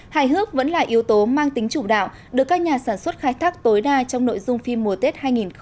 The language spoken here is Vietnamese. hài hước vẫn là yếu tố mang tính chủ đạo được các nhà sản xuất khai thác tối đa trong nội dung phim mùa tết hai nghìn hai mươi